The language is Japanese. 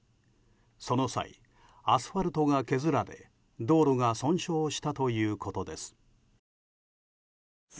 その際、アスファルトが削られ道路が損傷したということです。